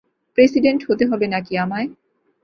President হতে হবে নাকি আমায়?